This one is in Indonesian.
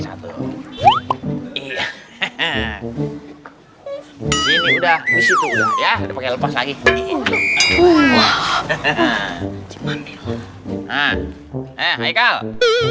tidak tidak deixar dia tinggal hati hati